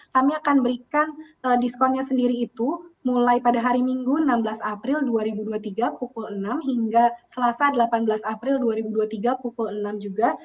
kami akan berikan diskonnya sendiri itu mulai pada hari minggu enam belas april dua ribu dua puluh tiga pukul enam hingga selasa delapan belas april dua ribu dua puluh tiga pukul enam juga